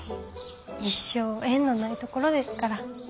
一生縁のない所ですから。